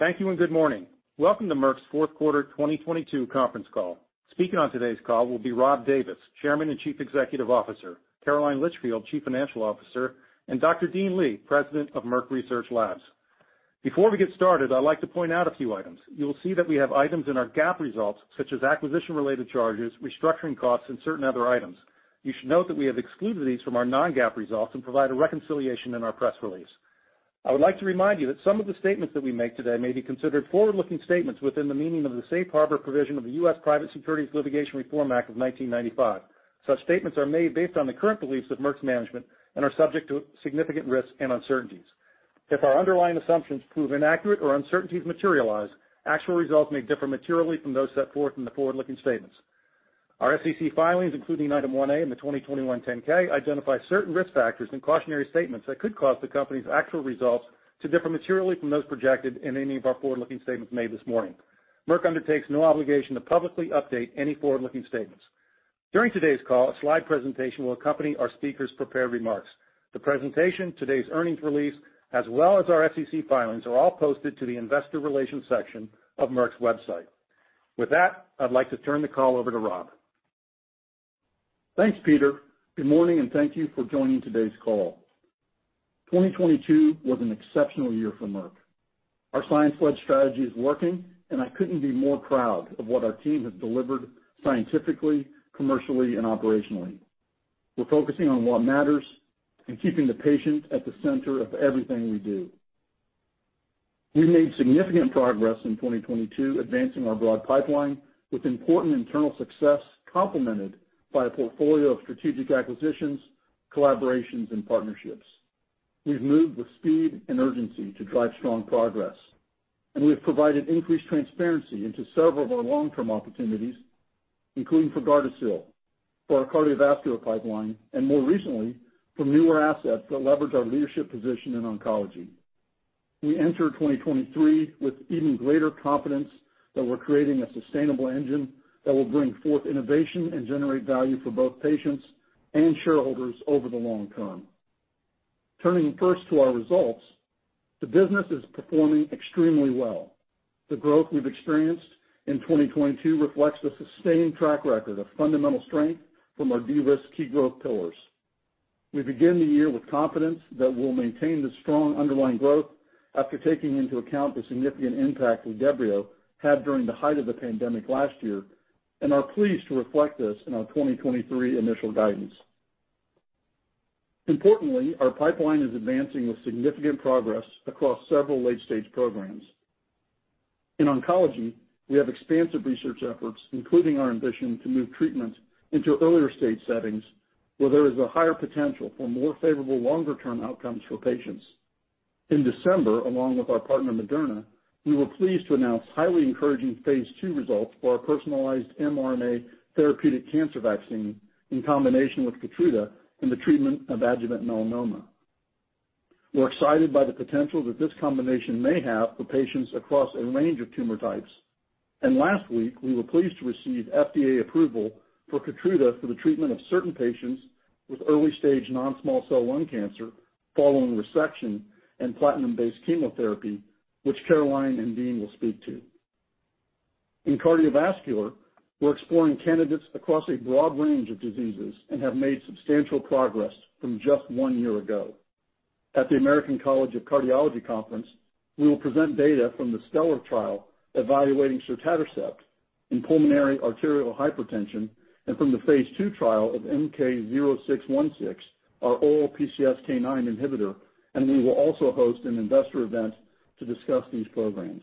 Thank you and good morning. Welcome to Merck' Q4 2022 Conference Call. Speaking on today's call will be Rob Davis, Chairman and Chief Executive Officer, Caroline Litchfield, Chief Financial Officer, and Dr. Dean Li, President of Merck Research Labs. Before we get started, I'd like to point out a few items. You'll see that we have items in our GAAP results such as acquisition-related charges, restructuring costs, and certain other items. You should note that we have excluded these from our non-GAAP results and provide a reconciliation in our press release. I would like to remind you that some of the statements that we make today may be considered forward-looking statements within the meaning of the Safe Harbor provision of the U.S. Private Securities Litigation Reform Act of 1995. Such statements are made based on the current beliefs of Merck's management and are subject to significant risks and uncertainties. If our underlying assumptions prove inaccurate or uncertainties materialize, actual results may differ materially from those set forth in the forward-looking statements. Our SEC filings, including Item 1-A in the 2021 10-K, identify certain risk factors and cautionary statements that could cause the company's actual results to differ materially from those projected in any of our forward-looking statements made this morning. Merck undertakes no obligation to publicly update any forward-looking statements. During today's call, a slide presentation will accompany our speakers' prepared remarks. The presentation, today's earnings release, as well as our SEC filings, are all posted to the investor relations section of Merck's website. With that, I'd like to turn the call over to Rob. Thanks, Peter. Good morning. Thank you for joining today's call. 2022 was an exceptional year for Merck. Our science-led strategy is working. I couldn't be more proud of what our team has delivered scientifically, commercially, and operationally. We're focusing on what matters and keeping the patient at the center of everything we do. We made significant progress in 2022, advancing our broad pipeline with important internal success complemented by a portfolio of strategic acquisitions, collaborations, and partnerships. We've moved with speed and urgency to drive strong progress. We've provided increased transparency into several of our long-term opportunities, including for GARDASIL, for our cardiovascular pipeline, and more recently, for newer assets that leverage our leadership position in oncology. We enter 2023 with even greater confidence that we're creating a sustainable engine that will bring forth innovation and generate value for both patients and shareholders over the long-term. Turning first to our results, the business is performing extremely well. The growth we've experienced in 2022 reflects the sustained track record of fundamental strength from our de-risked key growth pillars. We begin the year with confidence that we'll maintain the strong underlying growth after taking into account the significant impact Lagevrio had during the height of the pandemic last year and are pleased to reflect this in our 2023 initial guidance. Importantly, our pipeline is advancing with significant progress across several late-stage programs. In oncology, we have expansive research efforts, including our ambition to move treatment into earlier stage settings, where there is a higher potential for more favorable longer-term outcomes for patients. In December, along with our partner Moderna, we were pleased to announce highly encouraging phase 2 results for our personalized mRNA therapeutic cancer vaccine in combination with KEYTRUDA in the treatment of adjuvant melanoma. We're excited by the potential that this combination may have for patients across a range of tumor types. Last week, we were pleased to receive FDA approval for KEYTRUDA for the treatment of certain patients with early-stage non-small cell lung cancer following resection and platinum-based chemotherapy, which Caroline and Dean will speak to. In cardiovascular, we're exploring candidates across a broad range of diseases and have made substantial progress from just 1 year ago. At the American College of Cardiology Conference, we will present data from the STELLAR trial evaluating sotatercept in pulmonary arterial hypertension and from the phase 2 trial of MK-0616, our oral PCSK9 inhibitor, and we will also host an investor event to discuss these programs.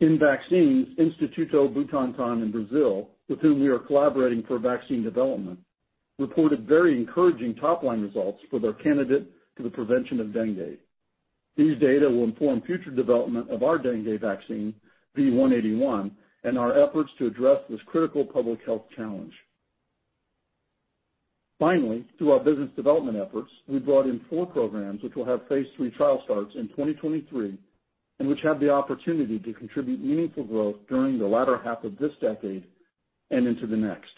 In vaccines, Instituto Butantan in Brazil, with whom we are collaborating for vaccine development, reported very encouraging top-line results for their candidate to the prevention of dengue. These data will inform future development of our dengue vaccine V181 and our efforts to address this critical public health challenge. Finally, through our business development efforts, we brought in four programs which will have Phase III trial starts in 2023 and which have the opportunity to contribute meaningful growth during the latter half of this decade and into the next.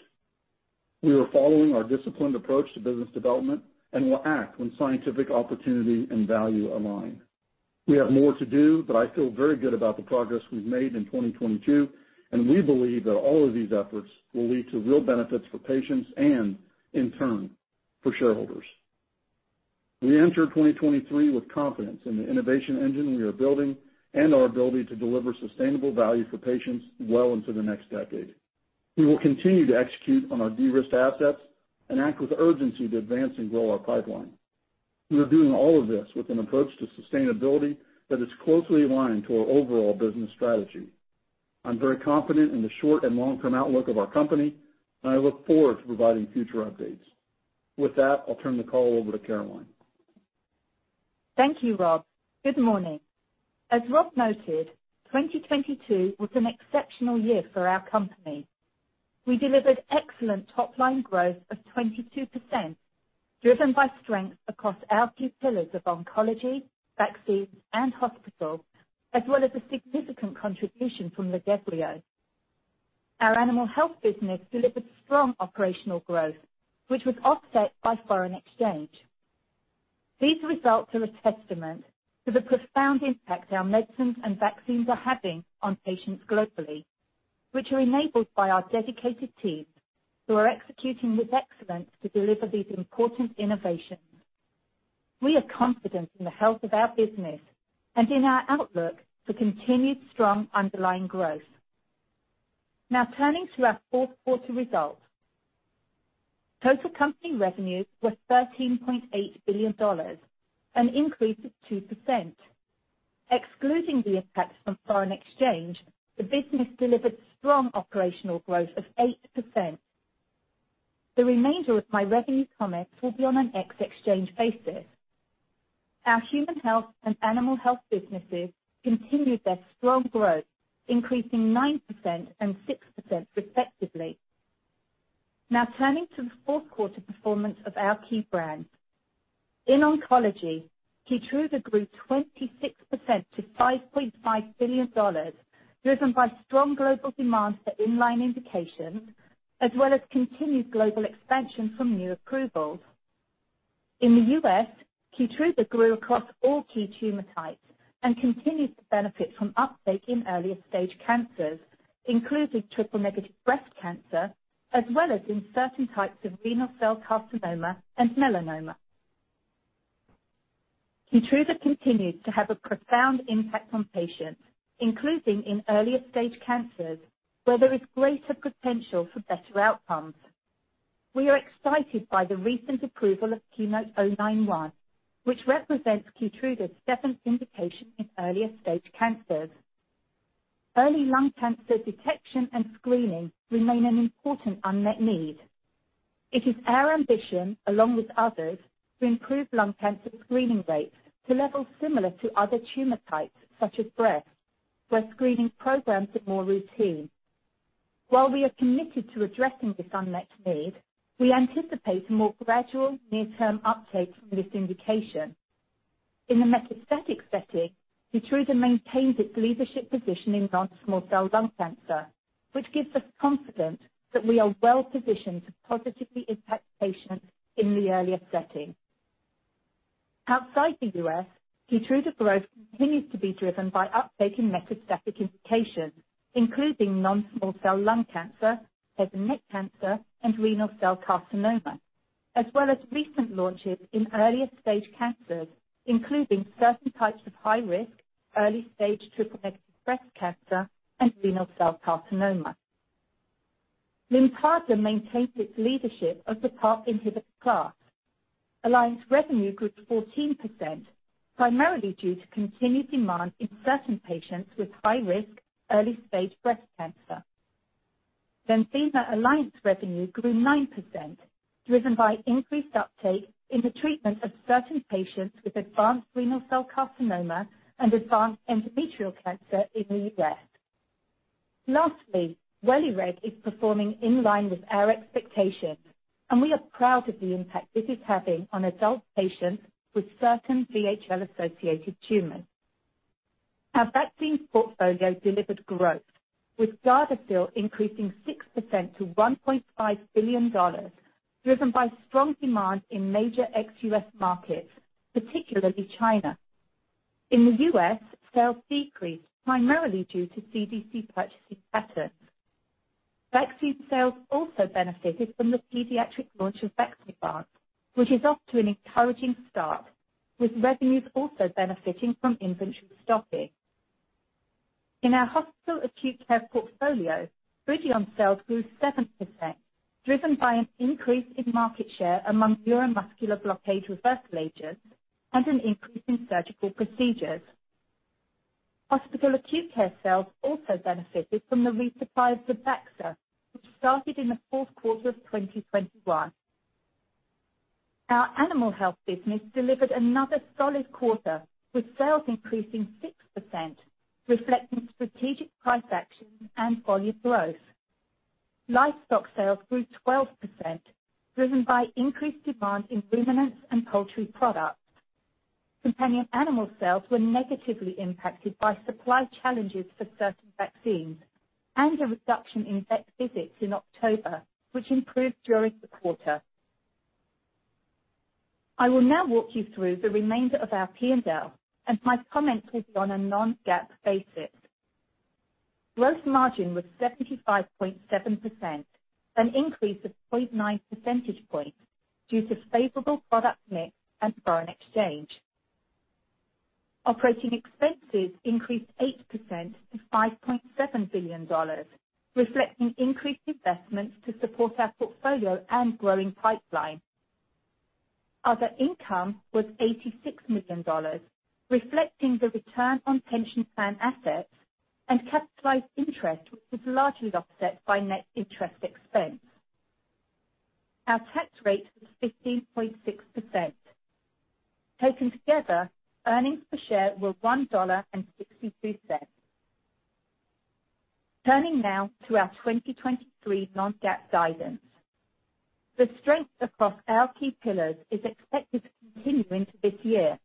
We are following our disciplined approach to business development and will act when scientific opportunity and value align. We have more to do, but I feel very good about the progress we've made in 2022, and we believe that all of these efforts will lead to real benefits for patients and, in turn, for shareholders. We enter 2023 with confidence in the innovation engine we are building and our ability to deliver sustainable value for patients well into the next decade. We will continue to execute on our de-risked assets and act with urgency to advance and grow our pipeline. We are doing all of this with an approach to sustainability that is closely aligned to our overall business strategy. I'm very confident in the short- and long-term outlook of our company, and I look forward to providing future updates. With that, I'll turn the call over to Caroline. Thank you, Rob. Good morning. As Rob noted, 2022 was an exceptional year for our company. We delivered excellent top-line growth of 22%, driven by strength across our key pillars of oncology, vaccines, and hospital, as well as a significant contribution from Lagevrio. Our animal health business delivered strong operational growth, which was offset by foreign exchange. These results are a testament to the profound impact our medicines and vaccines are having on patients globally, which are enabled by our dedicated teams who are executing with excellence to deliver these important innovations. We are confident in the health of our business and in our outlook for continued strong underlying growth. Now turning to our Q4 results. Total company revenues were $13.8 billion, an increase of 2%. Excluding the effects from foreign exchange, the business delivered strong operational growth of 8%. The remainder of my revenue comments will be on an ex exchange basis. Our human health and animal health businesses continued their strong growth, increasing 9% and 6% respectively. Now turning to the fourtquarter performance of our key brands. In oncology, KEYTRUDA grew 26% to $5.5 billion, driven by strong global demand for in-line indications, as well as continued global expansion from new approvals. In the U.S., KEYTRUDA grew across all key tumor types and continued to benefit from uptake in earlier stage cancers, including triple-negative breast cancer, as well as in certain types of renal cell carcinoma and melanoma. KEYTRUDA continues to have a profound impact on patients, including in earlier stage cancers, where there is greater potential for better outcomes. We are excited by the recent approval of KEYNOTE-091, which represents KEYTRUDA's 7th indication in earlier stage cancers. Early lung cancer detection and screening remain an important unmet need. It is our ambition, along with others, to improve lung cancer screening rates to levels similar to other tumor types, such as breast, where screening programs are more routine. While we are committed to addressing this unmet need, we anticipate a more gradual near-term uptake from this indication. In the metastatic setting, KEYTRUDA maintains its leadership position in non-small cell lung cancer, which gives us confidence that we are well-positioned to positively impact patients in the earlier setting. Outside the U.S., KEYTRUDA growth continues to be driven by uptake in metastatic indications, including non-small cell lung cancer, head and neck cancer, and renal cell carcinoma, as well as recent launches in earlier stage cancers, including certain types of high risk, early-stage triple-negative breast cancer and renal cell carcinoma. Lynparza maintains its leadership of the PARP inhibitor class. Alliance revenue grew 14%, primarily due to continued demand in certain patients with high risk early stage breast cancer. Lenvima alliance revenue grew 9%, driven by increased uptake in the treatment of certain patients with advanced renal cell carcinoma and advanced endometrial cancer in the U.S. Welireg is performing in line with our expectations, and we are proud of the impact this is having on adult patients with certain VHL-associated tumors. Our vaccines portfolio delivered growth, with GARDASIL increasing 6% to $1.5 billion, driven by strong demand in major ex-U.S. markets, particularly China. In the U.S., sales decreased primarily due to CDC purchasing patterns. Vaccine sales also benefited from the pediatric launch of Vaxneuvance, which is off to an encouraging start, with revenues also benefiting from inventory stocking. In our hospital acute care portfolio, BRIDION sales grew 7%, driven by an increase in market share among neuromuscular blockade reversal agents and an increase in surgical procedures. Hospital acute care sales also benefited from the resupply of ZERBAXA, which started in the Q4 of 2021. Our animal health business delivered another solid quarter, with sales increasing 6%, reflecting strategic price action and volume growth. Livestock sales grew 12%, driven by increased demand in ruminants and poultry products. Companion animal sales were negatively impacted by supply challenges for certain vaccines and a reduction in vet visits in October, which improved during the quarter. I will now walk you through the remainder of our P&L, and my comments will be on a non-GAAP basis. Gross margin was 75.7%, an increase of 0.9 percentage points due to favorable product mix and foreign exchange. Operating expenses increased 8% to $5.7 billion, reflecting increased investments to support our portfolio and growing pipeline. Other income was $86 million, reflecting the return on pension plan assets and capitalized interest, which was largely offset by net interest expense. Our tax rate was 15.6%. Taken together, earnings per share were $1.62. Turning now to our 2023 non-GAAP guidance. The strength across our key pillars is expected to continue into this year.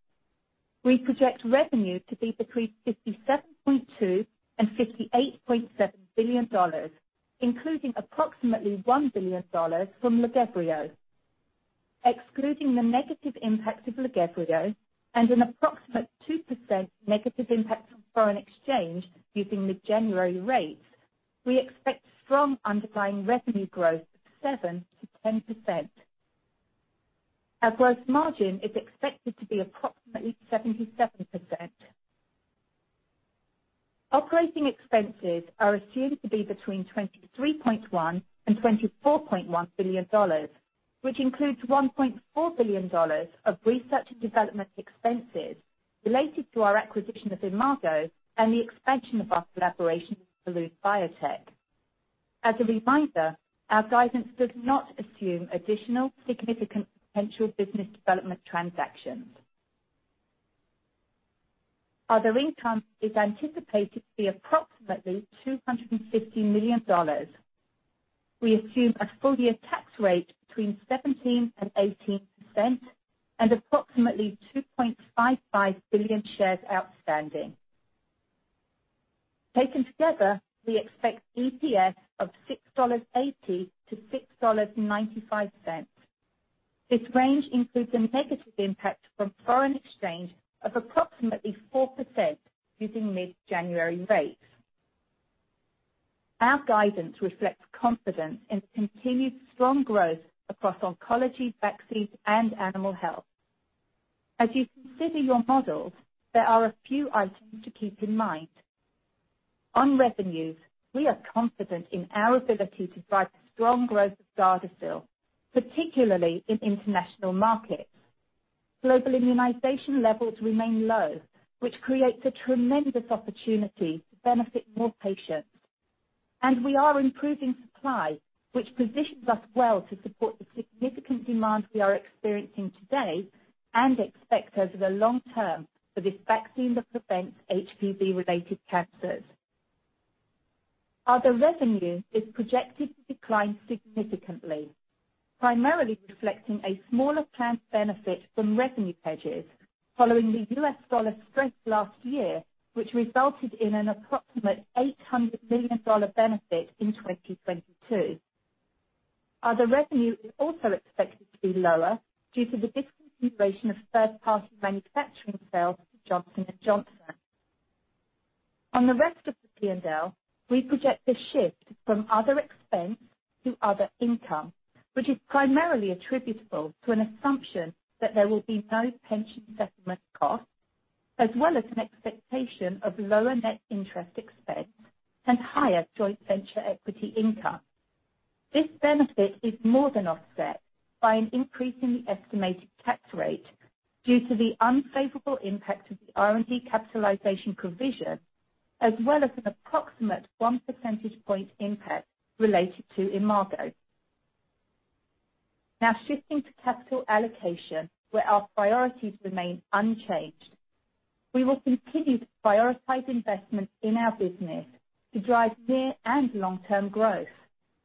We project revenue to be between $57.2 billion-$58.7 billion, including approximately $1 billion from Lagevrio. Excluding the negative impact of Lagevrio and an approximate 2% negative impact from foreign exchange using the January rates, we expect strong underlying revenue growth of 7-10%. Our growth margin is expected to be approximately 77%. Operating expenses are assumed to be between $23.1 billion and $24.1 billion, which includes $1.4 billion of research and development expenses related to our acquisition of Imago and the expansion of our collaboration with Kelun-Biotech. As a reminder, our guidance does not assume additional significant potential business development transactions. Other income is anticipated to be approximately $250 million. We assume a full-year tax rate between 17% and 18% and approximately 2.55 billion shares outstanding. Taken together, we expect EPS of $6.80-$6.95. This range includes a negative impact from foreign exchange of approximately 4% using mid-January rates. Our guidance reflects confidence in continued strong growth across oncology, vaccines, and animal health. As you consider your models, there are a few items to keep in mind. On revenues, we are confident in our ability to drive the strong growth of GARDASIL, particularly in international markets. Global immunization levels remain low, which creates a tremendous opportunity to benefit more patients. We are improving supply, which positions us well to support the significant demand we are experiencing today and expect over the long-term for this vaccine that prevents HPV-related cancers. Other revenue is projected to decline significantly, primarily reflecting a smaller planned benefit from revenue hedges following the U.S. dollar strength last year, which resulted in an approximate $800 million benefit in 2022. Other revenue is also expected to be lower due to the discontinuation of third-party manufacturing sales to Johnson & Johnson. On the rest of the P&L, we project a shift from other expense to other income, which is primarily attributable to an assumption that there will be no pension settlement costs, as well as an expectation of lower net interest expense and higher joint venture equity income. This benefit is more than offset by an increase in the estimated tax rate due to the unfavorable impact of the R&D capitalization provision, as well as an approximate 1 percentage point impact related to Imago. Shifting to capital allocation, where our priorities remain unchanged. We will continue to prioritize investments in our business to drive near and long-term growth.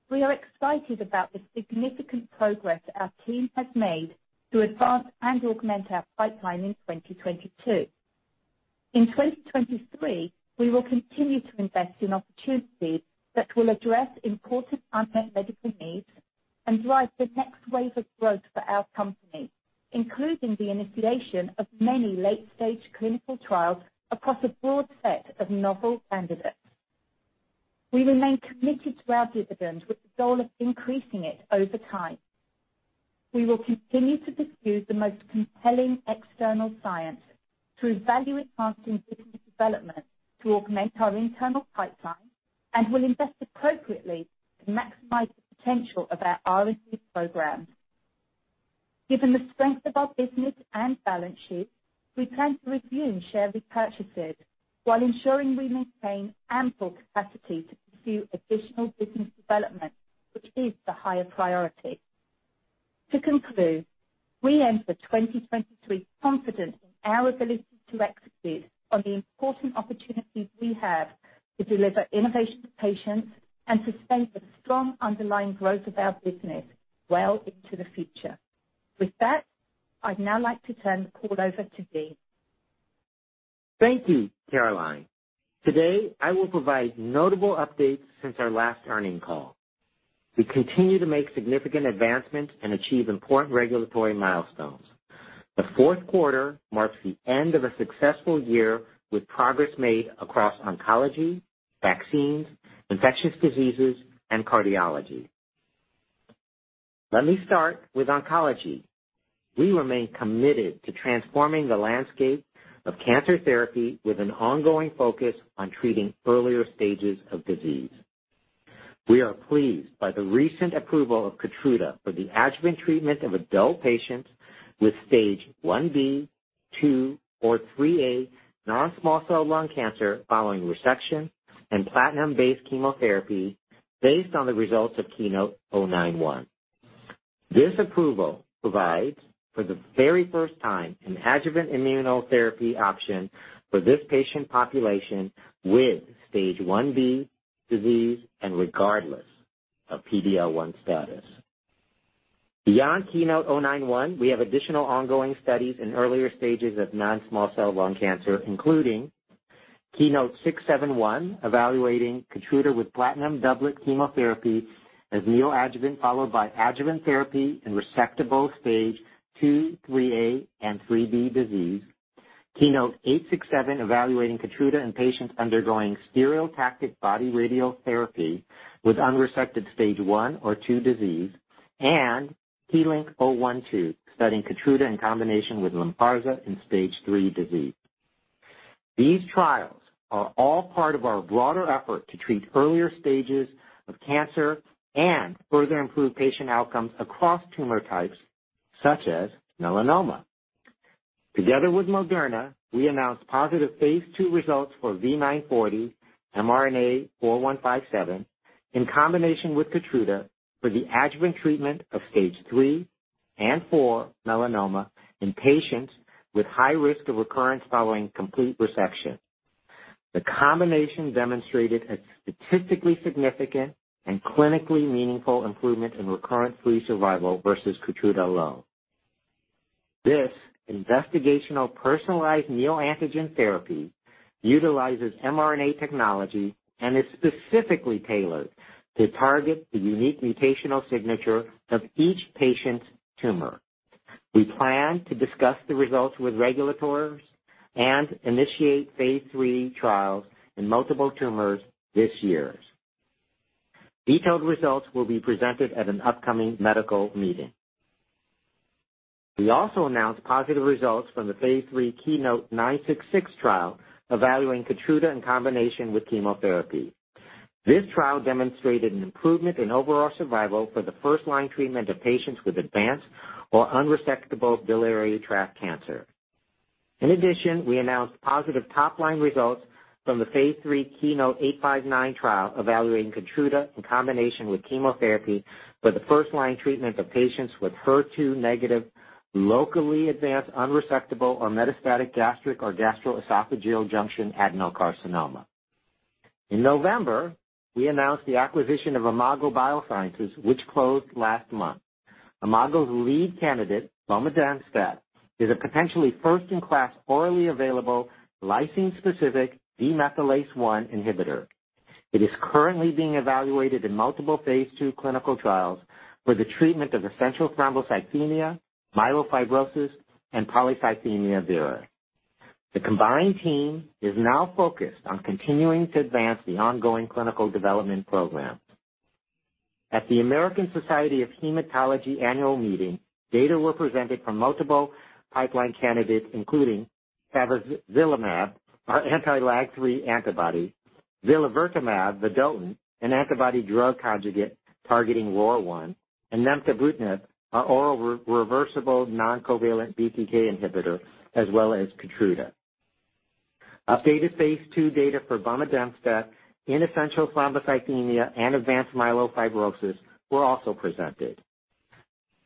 We are excited about the significant progress our team has made to advance and augment our pipeline in 2022. In 2023, we will continue to invest in opportunities that will address important unmet medical needs and drive the next wave of growth for our company, including the initiation of many late-stage clinical trials across a broad set of novel candidates. We remain committed to our dividend with the goal of increasing it over time. We will continue to pursue the most compelling external science through value-enhancing business development to augment our internal pipeline and will invest appropriately to maximize the potential of our R&D programs. Given the strength of our business and balance sheet, we plan to review share repurchases while ensuring we maintain ample capacity to pursue additional business development, which is the higher priority. To conclude, we enter 2023 confident in our ability to execute on the important opportunities we have to deliver innovation to patients and to sustain the strong underlying growth of our business well into the future. With that, I'd now like to turn the call over to Dean. Thank you, Caroline. Today, I will provide notable updates since our last earnings call. We continue to make significant advancements and achieve important regulatory milestones. The Q4 tmarks the end of a successful year with progress made across oncology, vaccines, infectious diseases, and cardiology. Let me start with oncology. We remain committed to transforming the landscape of cancer therapy with an ongoing focus on treating earlier stages of disease. We are pleased by the recent approval of KEYTRUDA for the adjuvant treatment of adult patients with Stage 1B, 2, or 3A non-small cell lung cancer following resection and platinum-based chemotherapy based on the results of KEYNOTE-091. This approval provides, for the very first time, an adjuvant immunotherapy option for this patient population with Stage 1B disease and regardless of PD-L1 status. KEYNOTE-091, we have additional ongoing studies in earlier stages of non-small cell lung cancer, including KEYNOTE-671, evaluating KEYTRUDA with platinum doublet chemotherapy as neoadjuvant followed by adjuvant therapy in resectable stage 2, 3A, and 3B disease. KEYNOTE-867, evaluating KEYTRUDA in patients undergoing stereotactic body radiation therapy with unresected stage 1 or 2 disease. KEYLYNK-012, studying KEYTRUDA in combination with Lynparza in stage 3 disease. These trials are all part of our broader effort to treat earlier stages of cancer and further improve patient outcomes across tumor types, such as melanoma. Together with Moderna, we announced positive phase 2 results for V940 mRNA-4157 in combination with KEYTRUDA for the adjuvant treatment of stage 3 and 4 melanoma in patients with high risk of recurrence following complete resection. The combination demonstrated a statistically significant and clinically meaningful improvement in recurrence-free survival versus KEYTRUDA alone. This investigational personalized neoantigen therapy utilizes mRNA technology and is specifically tailored to target the unique mutational signature of each patient's tumor. We plan to discuss the results with regulators and initiate Phase III trials in multiple tumors this year. Detailed results will be presented at an upcoming medical meeting. We also announced positive results from the Phase III KEYNOTE-966 trial evaluating KEYTRUDA in combination with chemotherapy. This trial demonstrated an improvement in overall survival for the first-line treatment of patients with advanced or unresectable biliary tract cancer. In addition, we announced positive top-line results from the Phase III KEYNOTE-859 trial evaluating KEYTRUDA in combination with chemotherapy for the first-line treatment of patients with HER2 negative, locally advanced, unresectable, or metastatic gastric or gastroesophageal junction adenocarcinoma. In November, we announced the acquisition of Imago BioSciences, which closed last month. Imago's lead candidate, bomedemstat, is a potentially first-in-class orally available lysine-specific demethylase 1 inhibitor. It is currently being evaluated in multiple Phase 2 clinical trials for the treatment of essential thrombocythemia, myelofibrosis, and polycythemia vera. The combined team is now focused on continuing to advance the ongoing clinical development program. At the American Society of Hematology annual meeting, data were presented from multiple pipeline candidates, including favezelimab, our anti-LAG-3 antibody, zilovertamab vedotin, an antibody drug conjugate targeting ROR1, and nemtabrutinib, our oral reversible non-covalent BTK inhibitor, as well as KEYTRUDA. Updated Phase 2 data for bomedemstat in essential thrombocythemia and advanced myelofibrosis were also presented.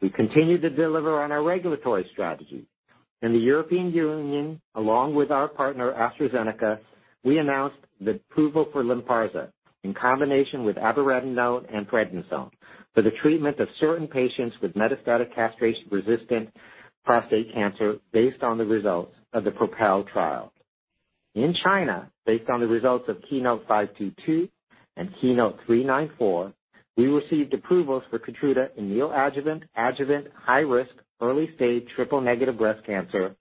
We continue to deliver on our regulatory strategy. In the European Union, along with our partner, AstraZeneca, we announced the approval for Lynparza in combination with abiraterone and prednisone for the treatment of certain patients with metastatic castration-resistant prostate cancer based on the results of the PROPEL trial. In China, based on the results of KEYNOTE-522 and KEYNOTE-394, we received approvals for KEYTRUDA in neoadjuvant, adjuvant, high risk, early stage triple-negative breast cancer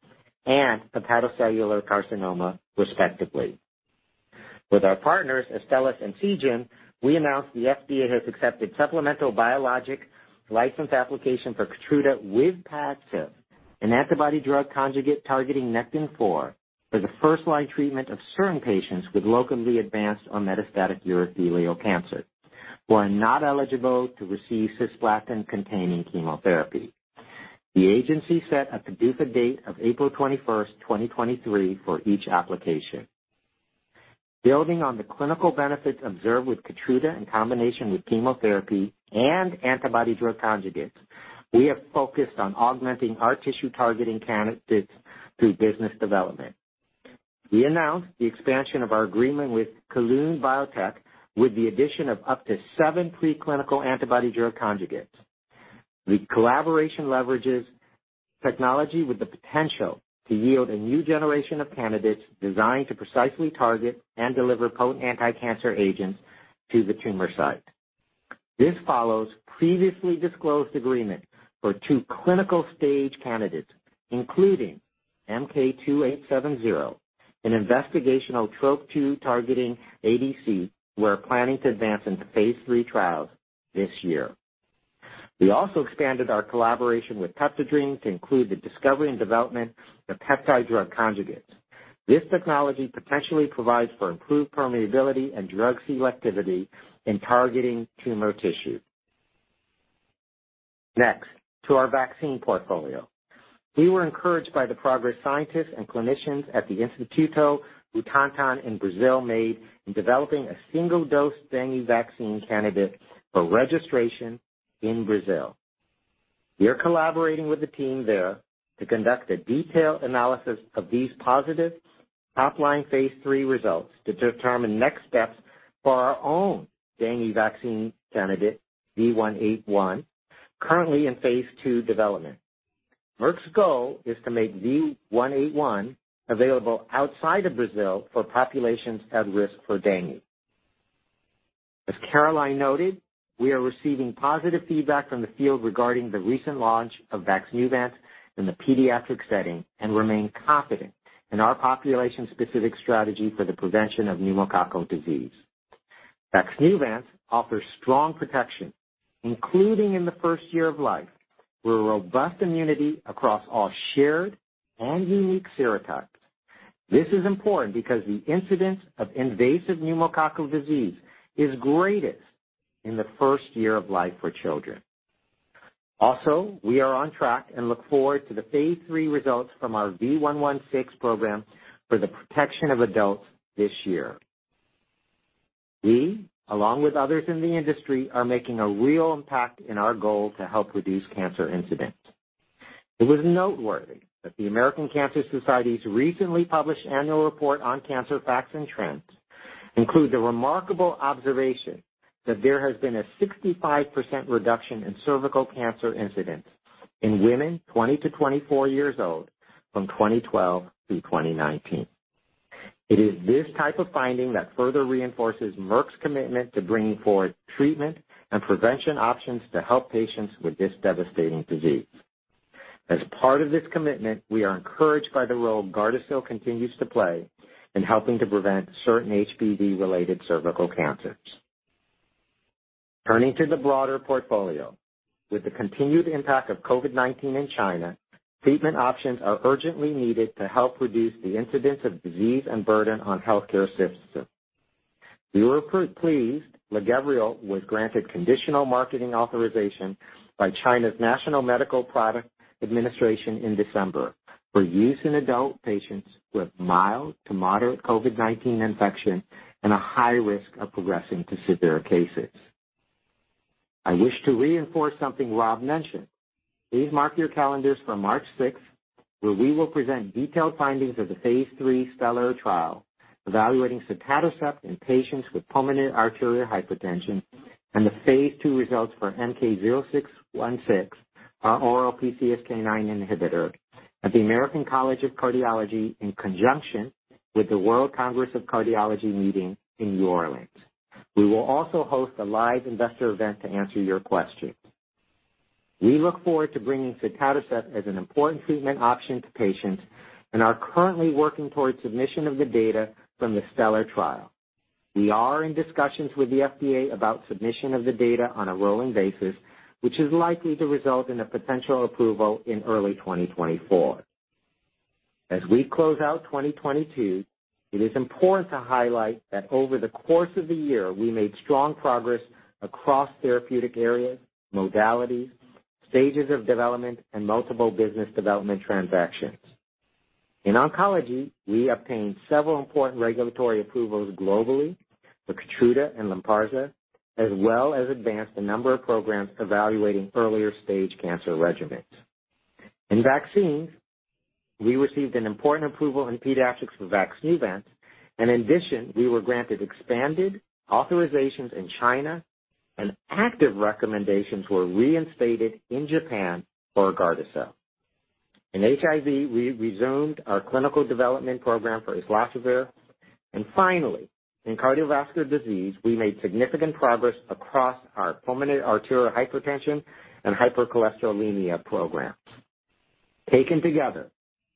and hepatocellular carcinoma, respectively. With our partners, Astellas and Seagen, we announced the FDA has accepted supplemental Biologics License Application for KEYTRUDA with Padcev, an antibody-drug conjugate targeting Nectin-4 as a first-line treatment of certain patients with locally advanced or metastatic urothelial cancer who are not eligible to receive cisplatin-containing chemotherapy. The agency set a PDUFA date of April 21st, 2023 for each application. Building on the clinical benefits observed with KEYTRUDA in combination with chemotherapy and antibody drug conjugates, we have focused on augmenting our tissue targeting candidates through business development. We announced the expansion of our agreement with Kelun-Biotech with the addition of up to 7 preclinical antibody drug conjugates. The collaboration leverages technology with the potential to yield a new generation of candidates designed to precisely target and deliver potent anticancer agents to the tumor site. This follows previously disclosed agreement for 2 clinical stage candidates, including MK-2870, an investigational Trop-2 targeting ADC, we're planning to advance into Phase III trials this year. We also expanded our collaboration with PeptiDream to include the discovery and development of peptide drug conjugates. This technology potentially provides for improved permeability and drug selectivity in targeting tumor tissue. Next, to our vaccine portfolio. We were encouraged by the progress scientists and clinicians at the Instituto Butantan in Brazil made in developing a single-dose dengue vaccine candidate for registration in Brazil. We are collaborating with the team there to conduct a detailed analysis of these positive top-line Phase III results to determine next steps for our own dengue vaccine candidate V181, currently in phase II development. Merck's goal is to make V181 available outside of Brazil for populations at risk for dengue. As Caroline noted, we are receiving positive feedback from the field regarding the recent launch of Vaxneuvance in the pediatric setting and remain confident in our population-specific strategy for the prevention of pneumococcal disease. Vaxneuvance offers strong protection, including in the first year of life, with robust immunity across all shared and unique serotypes. This is important because the incidence of invasive pneumococcal disease is greatest in the 1st year of life for children. Also, we are on track and look forward to the Phase III results from our V116 program for the protection of adults this year. We, along with others in the industry, are making a real impact in our goal to help reduce cancer incidents. It was noteworthy that the American Cancer Society's recently published annual report on cancer facts and trends include the remarkable observation that there has been a 65% reduction in cervical cancer incidents in women 20-24 years old from 2012 through 2019. It is this type of finding that further reinforces Merck's commitment to bringing forward treatment and prevention options to help patients with this devastating disease. As part of this commitment, we are encouraged by the role GARDASIL continues to play in helping to prevent certain HPV-related cervical cancers. Turning to the broader portfolio, with the continued impact of COVID-19 in China, treatment options are urgently needed to help reduce the incidence of disease and burden on healthcare systems. We were pleased Lagevrio was granted conditional marketing authorization by China's National Medical Products Administration in December for use in adult patients with mild to moderate COVID-19 infection and a high risk of progressing to severe cases. I wish to reinforce something Rob mentioned. Please mark your calendars for March 6th, where we will present detailed findings of the Phase III STELLAR trial evaluating sotatercept in patients with pulmonary arterial hypertension and the phase 2 results for MK-0616, our oral PCSK9 inhibitor at the American College of Cardiology in conjunction with the World Congress of Cardiology meeting in New Orleans. We will also host a live investor event to answer your questions. We look forward to bringing sotatercept as an important treatment option to patients and are currently working towards submission of the data from the STELLAR trial. We are in discussions with the FDA about submission of the data on a rolling basis, which is likely to result in a potential approval in early 2024. As we close out 2022, it is important to highlight that over the course of the year we made strong progress across therapeutic areas, modalities, stages of development, and multiple business development transactions. In oncology, we obtained several important regulatory approvals globally for KEYTRUDA and Lynparza, as well as advanced a number of programs evaluating earlier stage cancer regimens. In vaccines, we received an important approval in pediatrics for Vaxneuvance. In addition, we were granted expanded authorizations in China and active recommendations were reinstated in Japan for GARDASIL. In HIV, we resumed our clinical development program for islatravir. Finally, in cardiovascular disease, we made significant progress across our Pulmonary Arterial Hypertension and hypercholesterolemia programs. Taken together,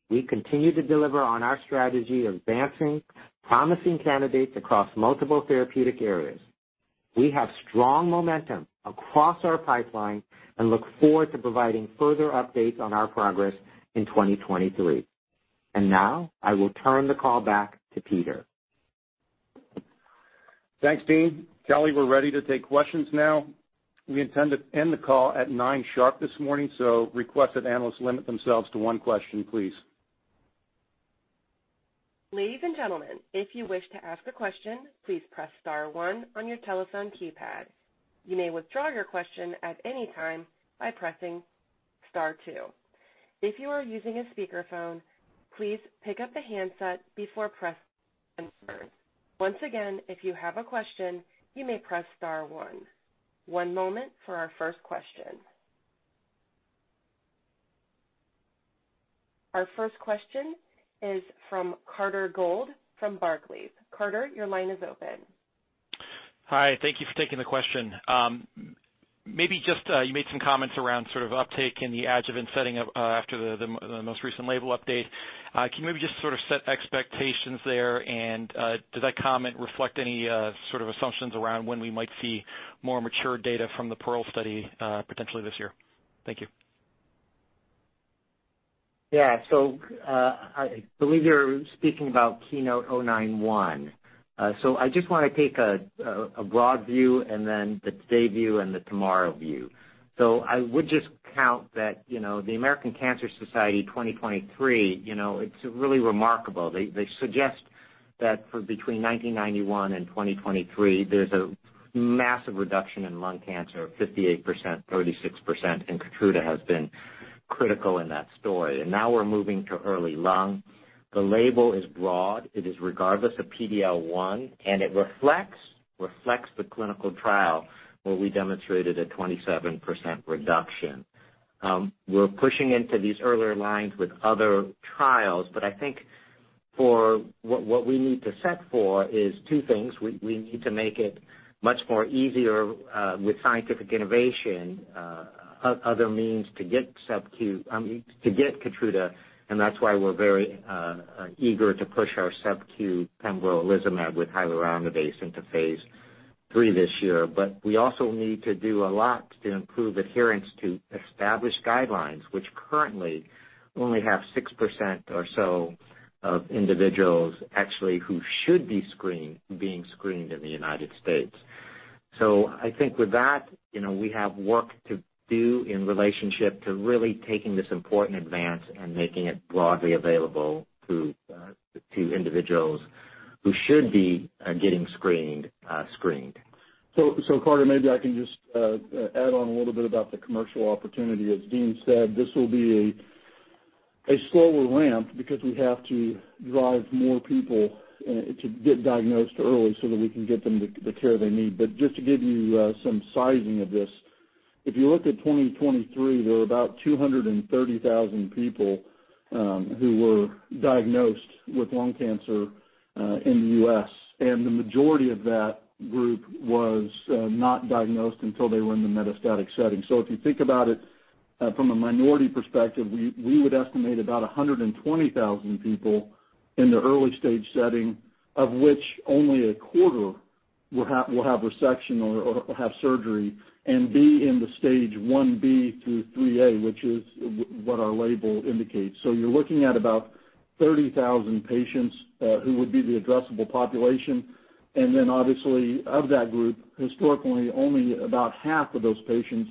we continue to deliver on our strategy of advancing promising candidates across multiple therapeutic areas. We have strong momentum across our pipeline and look forward to providing further updates on our progress in 2023. Now I will turn the call back to Peter. Thanks, team. Kelly, we're ready to take questions now. We intend to end the call at 9 sharp this morning, request that analysts limit themselves to one question, please. Ladies and gentlemen, if you wish to ask a question, please press star one on your telephone keypad. You may withdraw your question at any time by pressing star two. If you are using a speakerphone, please pick up the handset before pressing star. Once again, if you have a question, you may press star one. One moment for our first question. Our first question is from Carter Gould, from Barclays. Carter, your line is open. Hi, thank you for taking the question. Maybe just, you made some comments around sort of uptake in the adjuvant setting after the most recent label update. Can you maybe just sort of set expectations there and does that comment reflect any sort of assumptions around when we might see more mature data from the PEARLS study potentially this year? Thank you. Yeah. I believe you're speaking about KEYNOTE-091. I just wanna take a broad view and then the today view and the tomorrow view. I would just count that, you know, the American Cancer Society 2023, you know, it's really remarkable. They suggest that for between 1991 and 2023, there's a massive reduction in lung cancer, 58%, 36%. KEYTRUDA has been critical in that story. Now we're moving to early lung. The label is broad. It is regardless of PD-L1, it reflects the clinical trial where we demonstrated a 27% reduction. We're pushing into these earlier lines with other trials, I think for what we need to set for is two things. We need to make it much more easier with scientific innovation, other means to get subQ, I mean, to get KEYTRUDA, that's why we're very eager to push our subQ pembrolizumab with hyaluronidase into Phase III this year. We also need to do a lot to improve adherence to established guidelines, which currently only have 6% or so of individuals actually who should be screened, being screened in the United States. I think with that, you know, we have work to do in relationship to really taking this important advance and making it broadly available to individuals who should be getting screened. Carter, maybe I can just add on a little bit about the commercial opportunity. As Dean said, this will be a slower ramp because we have to drive more people to get diagnosed early so that we can get them the care they need. Just to give you some sizing of this, if you look at 2023, there were about 230,000 people who were diagnosed with lung cancer in the U.S., and the majority of that group was not diagnosed until they were in the metastatic setting. If you think about it, from a minority perspective, we would estimate about 120,000 people in the early-stage setting, of which only a quarter will have resection or have surgery and be in the stage 1B through 3A, which is what our label indicates. You're looking at about 30,000 patients who would be the addressable population. Obviously, of that group, historically, only about half of those patients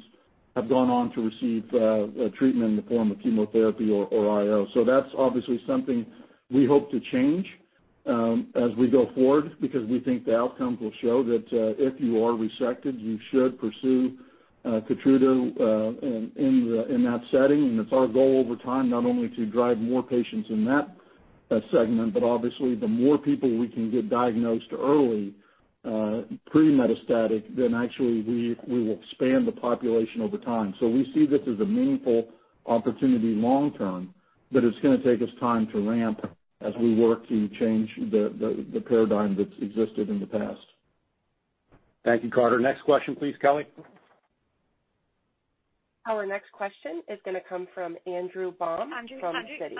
have gone on to receive a treatment in the form of chemotherapy or IO. That's obviously something we hope to change as we go forward because we think the outcomes will show that if you are resected, you should pursue Keytruda in that setting. It's our goal over time not only to drive more patients in that segment, but obviously, the more people we can get diagnosed early, pre-metastatic, then actually we will expand the population over time. We see this as a meaningful opportunity long-term, but it's gonna take us time to ramp as we work to change the paradigm that's existed in the past. Thank you, Carter. Next question, please, Kelly. Our next question is gonna come from Andrew Baum from Citi.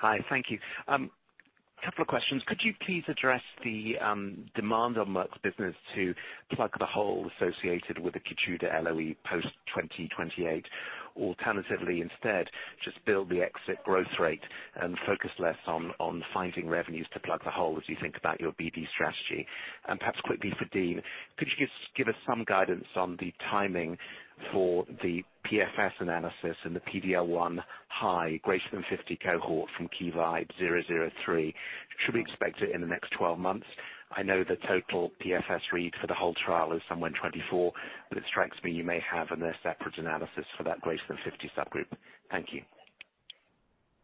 Hi, thank you. Couple of questions. Could you please address the demand on Merck's business to plug the hole associated with the KEYTRUDA LOE post 2028? Alternatively, instead, just build the exit growth rate and focus less on finding revenues to plug the hole as you think about your BD strategy. Perhaps quickly for Dean, could you give us some guidance on the timing for the PFS analysis and the PD-L1 high greater than 50 cohort from KEYVIBE-003? Should we expect it in the next 12 months? I know the total PFS read for the whole trial is somewhere in 2024, but it strikes me you may have a separate analysis for that greater than 50 subgroup. Thank you.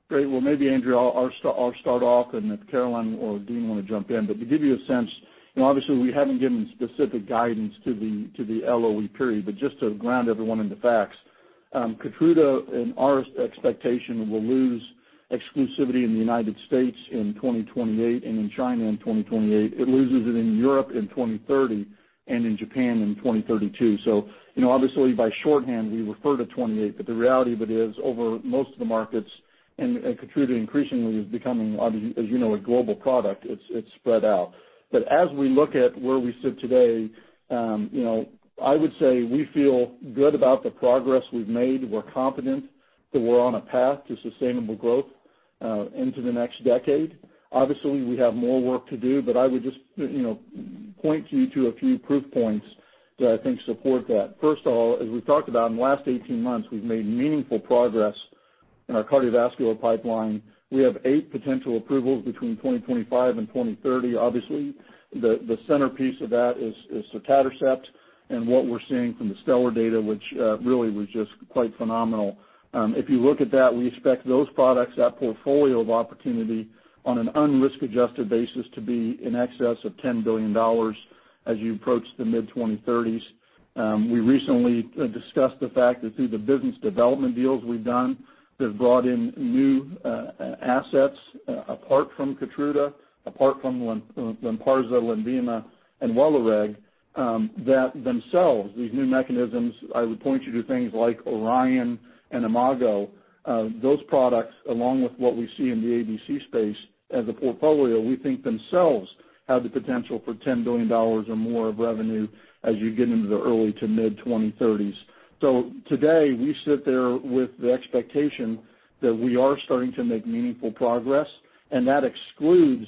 Great. Well, maybe Andrew Baum, I'll start off and if Caroline Litchfield or Dean Li wanna jump in. To give you a sense, you know, obviously, we haven't given specific guidance to the LOE period, but just to ground everyone in the facts, KEYTRUDA, in our expectation, will lose exclusivity in the United States in 2028 and in China in 2028. It loses it in Europe in 2030 and in Japan in 2032. You know, obviously, by shorthand, we refer to 28, but the reality of it is over most of the markets, and KEYTRUDA increasingly is becoming as you know, a global product. It's spread out. As we look at where we sit today, you know, I would say we feel good about the progress we've made. We're confident that we're on a path to sustainable growth into the next decade. Obviously, we have more work to do, but I would just, you know, point you to a few proof points that I think support that. First of all, as we've talked about, in the last 18 months, we've made meaningful progress in our cardiovascular pipeline. We have eight potential approvals between 2025 and 2030. Obviously, the centerpiece of that is sotatercept and what we're seeing from the STELLAR data, which really was just quite phenomenal. If you look at that, we expect those products, that portfolio of opportunity on an unrisk-adjusted basis to be in excess of $10 billion as you approach the mid-2030s. We recently discussed the fact that through the business development deals we've done that have brought in new assets apart from KEYTRUDA, apart from Lynparza, Lenvima, and Welireg, that themselves, these new mechanisms, I would point you to things like Orion Corporation and Imago BioSciences, Inc. Those products, along with what we see in the ADC space as a portfolio, we think themselves have the potential for $10 billion or more of revenue as you get into the early to mid-2030s. Today, we sit there with the expectation that we are starting to make meaningful progress, and that excludes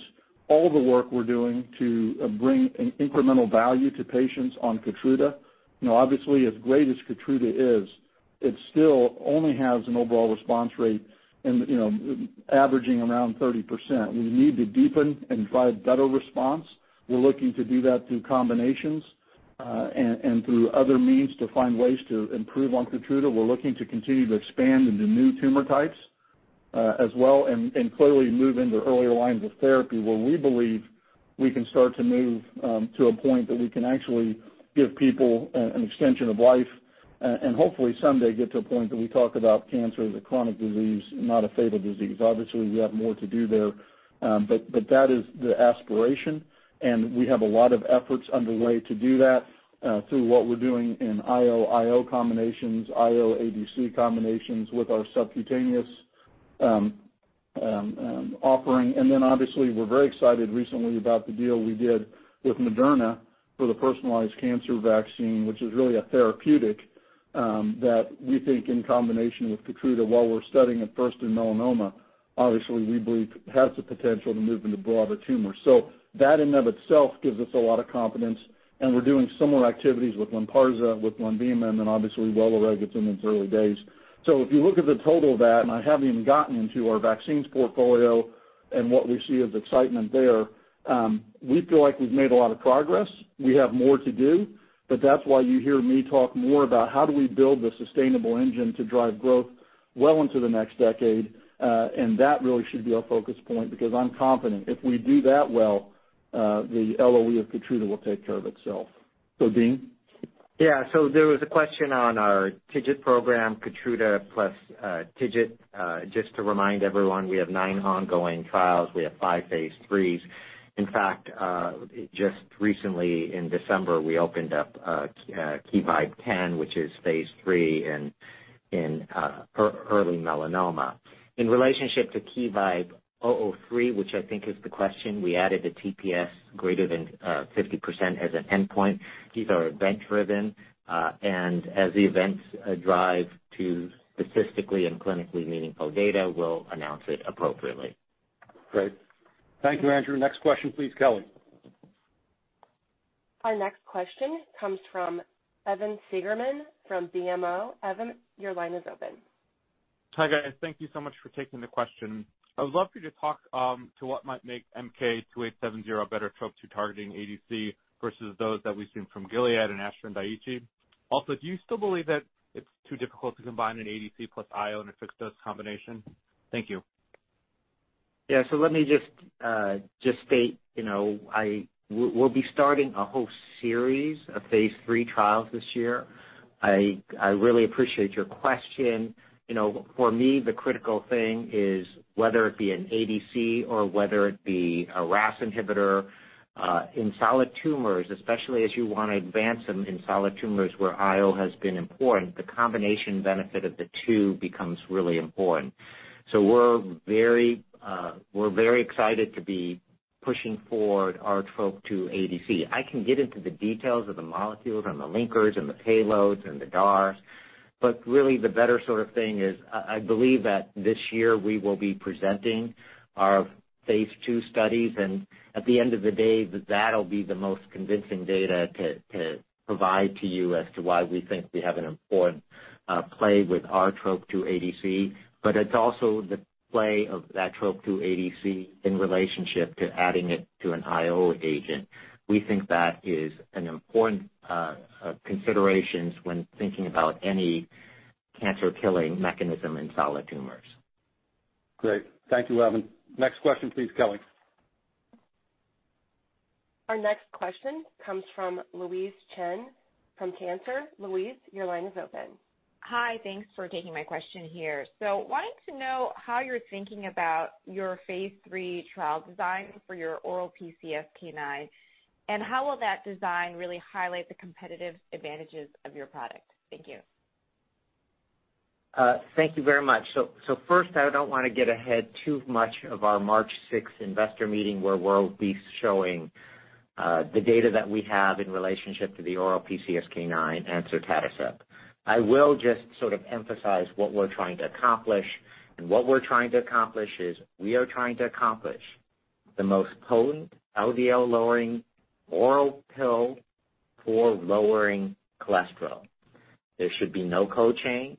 all the work we're doing to bring an incremental value to patients on KEYTRUDA. You know, obviously, as great as KEYTRUDA is, it still only has an overall response rate in, you know, averaging around 30%. We need to deepen and drive better response. We're looking to do that through combinations, and through other means to find ways to improve on KEYTRUDA. We're looking to continue to expand into new tumor types, as well, and clearly move into earlier lines of therapy where we believe we can start to move to a point that we can actually give people an extension of life. Hopefully someday get to a point that we talk about cancer as a chronic disease, not a fatal disease. Obviously, we have more to do there. But that is the aspiration, and we have a lot of efforts underway to do that through what we're doing in IO/IO combinations, IO ADC combinations with our subcutaneous offering. We're very excited recently about the deal we did with Moderna for the personalized cancer vaccine, which is really a therapeutic that we think in combination with KEYTRUDA, while we're studying it first in melanoma, obviously we believe has the potential to move into broader tumors. That in and of itself gives us a lot of confidence, and we're doing similar activities with Lynparza, with Lenvima, Welireg, it's in its early days. If you look at the total of that, and I haven't even gotten into our vaccines portfolio and what we see as excitement there, we feel like we've made a lot of progress. We have more to do. That's why you hear me talk more about how do we build the sustainable engine to drive growth well into the next decade. And that really should be our focus point because I'm confident if we do that well, the LOE of KEYTRUDA will take care of itself. Dean? There was a question on our TIGIT program, KEYTRUDA plus TIGIT. Just to remind everyone, we have 9 ongoing trials. We have 5 Phase IIIs. In fact, just recently in December, we opened up KEYVIBE -0, which is Phase III in early melanoma. In relationship to KEYVIBE-003, which I think is the question, we added a TPS greater than 50% as an endpoint. These are event driven, as the events drive to statistically and clinically meaningful data, we'll announce it appropriately. Great. Thank you, Andrew. Next question please, Kelly. Our next question comes from Evan Seigerman from BMO. Evan, your line is open. Hi, guys. Thank you so much for taking the question. I would love for you to talk to what might make MK-2870 a better Trop-2 targeting ADC versus those that we've seen from Gilead and AstraZeneca. Also, do you still believe that it's too difficult to combine an ADC plus IO in a fixed-dose combination? Thank you. Let me just state, you know, we'll be starting a whole series of Phase III trials this year. I really appreciate your question. You know, for me, the critical thing is whether it be an ADC or whether it be a RAS inhibitor, in solid tumors, especially as you wanna advance them in solid tumors where IO has been important, the combination benefit of the two becomes really important. We're very excited to be pushing forward our Trop-2 ADC. I can get into the details of the molecules and the linkers and the payloads and the DAR. Really the better sort of thing is I believe that this year we will be presenting our phase 2 studies, and at the end of the day, that'll be the most convincing data to provide to you as to why we think we have an important play with our Trop-2 ADC. It's also the play of that Trop-2 ADC in relationship to adding it to an IO agent. We think that is an important considerations when thinking about any cancer-killing mechanism in solid tumors. Great. Thank you, Evan. Next question, please, Kelly. Our next question comes from Louise Chen from Cantor Fitzgerald. Louise, your line is open. Hi. Thanks for taking my question here. Wanted to know how you're thinking about your phase three trial design for your oral PCSK9, and how will that design really highlight the competitive advantages of your product? Thank you. Thank you very much. First, I don't wanna get ahead too much of our March sixth investor meeting, where we'll be showing the data that we have in relationship to the oral PCSK9, anacetrapib. I will just sort of emphasize what we're trying to accomplish, and what we're trying to accomplish is we are trying to accomplish the most potent LDL-lowering oral pill for lowering cholesterol. There should be no co-chain.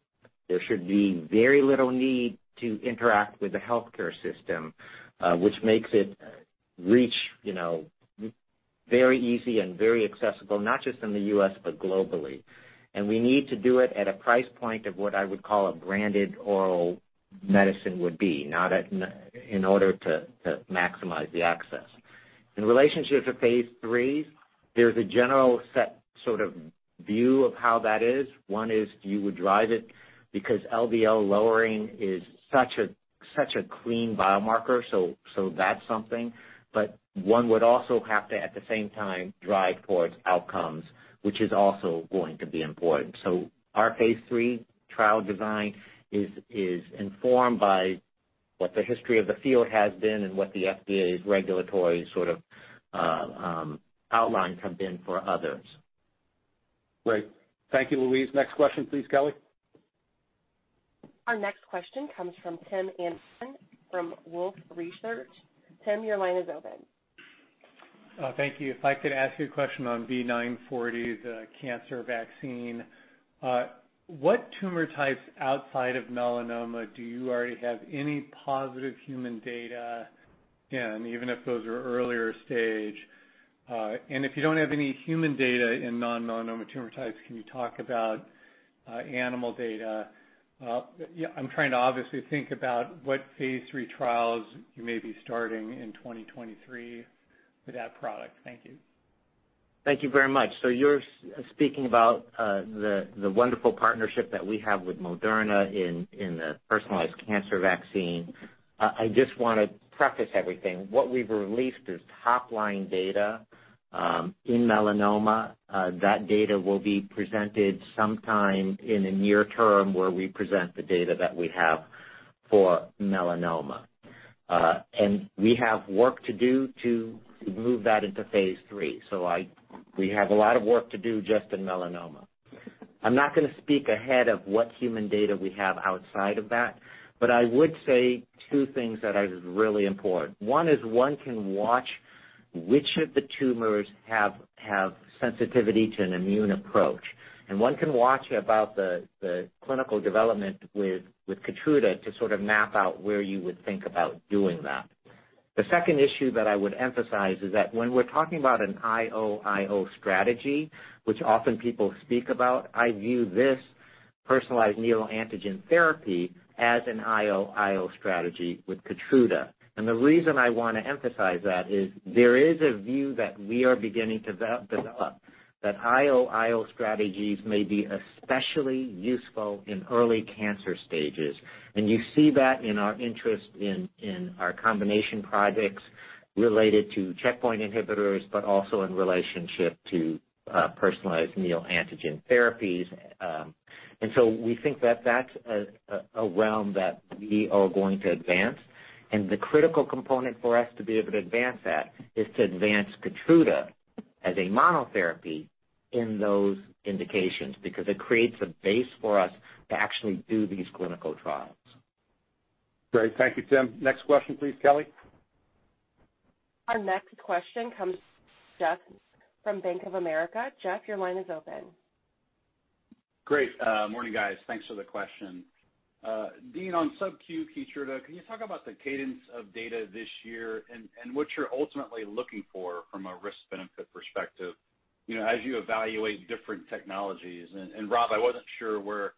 There should be very little need to interact with the healthcare system, which makes it reach, you know, very easy and very accessible, not just in the U.S., but globally. We need to do it at a price point of what I would call a branded oral medicine would be, not in order to maximize the access. In relationship to Phase IIIs, there's a general set sort of view of how that is. One is you would drive it because LDL lowering is such a clean biomarker, so that's something. One would also have to, at the same time, drive towards outcomes, which is also going to be important. Our Phase III trial design is informed by what the history of the field has been and what the FDA's regulatory outlines have been for others. Great. Thank you, Louise. Next question, please, Kelly. Our next question comes from Tim Anderson from Wolfe Research. Tim, your line is open. Thank you. If I could ask you a question on V940 the cancer vaccine. What tumor types outside of melanoma do you already have any positive human data in, even if those are earlier stage? If you don't have any human data in non-melanoma tumor types, can you talk about animal data? I'm trying to obviously think about what Phase III trials you may be starting in 2023 for that product. Thank you. Thank you very much. You're speaking about the wonderful partnership that we have with Moderna in the personalized cancer vaccine. I just wanna preface everything. What we've released is top-line data in melanoma. That data will be presented sometime in the near term where we present the data that we have for melanoma. We have work to do to move that into phase three. We have a lot of work to do just in melanoma. I'm not gonna speak ahead of what human data we have outside of that, but I would say two things that are really important. One is one can watch which of the tumors have sensitivity to an immune approach, and one can watch about the clinical development with Keytruda to sort of map out where you would think about doing that. The second issue that I would emphasize is that when we're talking about an IO strategy, which often people speak about, I view this personalized neoantigen therapy as an IO strategy with Keytruda. The reason I wanna emphasize that is there is a view that we are beginning to develop that IO strategies may be especially useful in early cancer stages. You see that in our interest in our combination projects related to checkpoint inhibitors, but also in relationship to personalized neoantigen therapies. We think that that's a realm that we are going to advance. The critical component for us to be able to advance that is to advance KEYTRUDA as a monotherapy in those indications, because it creates a base for us to actually do these clinical trials. Great. Thank you, Tim. Next question, please, Kelly. Our next question comes Geoff from Bank of America. Geoff, your line is open. Great. Morning, guys. Thanks for the question. Dean, on subQ KEYTRUDA, can you talk about the cadence of data this year and what you're ultimately looking for from a risk-benefit perspective, you know, as you evaluate different technologies? Rob, I wasn't sure where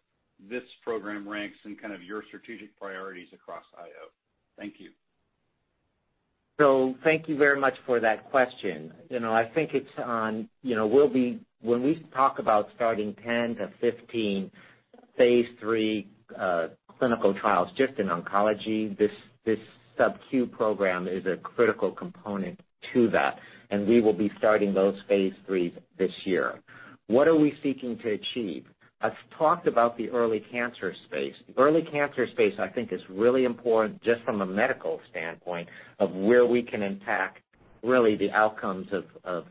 this program ranks in kind of your strategic priorities across IO? Thank you. Thank you very much for that question. You know, I think it's on. You know, When we talk about starting 10-15 Phase III clinical trials just in oncology, this subQ program is a critical component to that, and we will be starting those Phase IIIs this year. What are we seeking to achieve? I've talked about the early cancer space. The early cancer space I think is really important just from a medical standpoint of where we can impact, really, the outcomes of